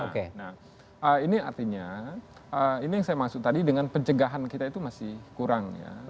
nah ini artinya ini yang saya maksud tadi dengan pencegahan kita itu masih kurang ya